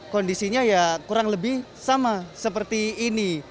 kondisinya ya kurang lebih sama seperti ini